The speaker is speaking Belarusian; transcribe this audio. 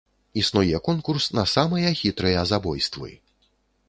Існуе конкурс на самыя хітрыя забойствы.